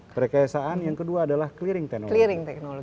perkayasaan yang kedua adalah clearing teknologi